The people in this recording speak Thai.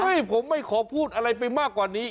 ไม่ผมไม่ขอพูดอะไรไปมากกว่านี้